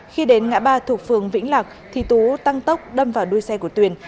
khi đến ngã ba thuộc phường vĩnh lạc thì tú tăng tốc đâm vào đuôi xe của tuyền